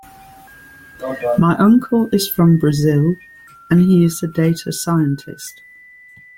My uncle is from Brazil and he is a data scientist.